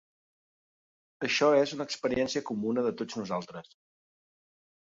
Això és una experiència comuna de tots nosaltres.